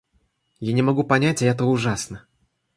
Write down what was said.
Я не могу понять, и это ужасно.